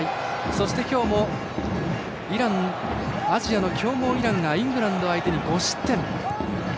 そして今日もアジアの強豪イランがイングランド相手に５失点。